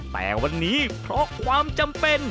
แต่วันนี้เพราะความจำเป็น